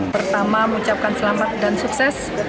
pertama mengucapkan selamat dan sukses